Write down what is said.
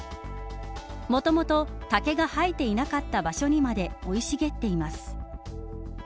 もともと竹が生えていなかった場所にまで生い茂っています。